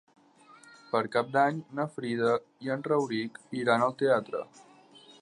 Per Cap d'Any na Frida i en Rauric iran al teatre.